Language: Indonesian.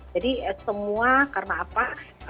jadi semua karena apa